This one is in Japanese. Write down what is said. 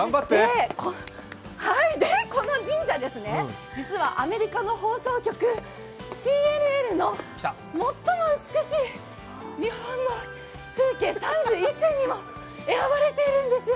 この神社、アメリカの放送局、ＣＮＮの最も美しい日本の風景３１選にも選ばれているんですよ。